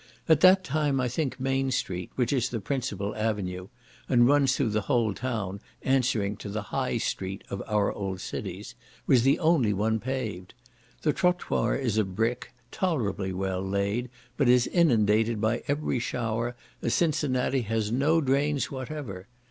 At that time I think Main street, which is the principal avenue, (and runs through the whole town, answering to the High street of our old cities), was the only one entirely paved. The troittoir is of brick, tolerably well laid, but it is inundated by every shower, as Cincinnati has no drains whatever.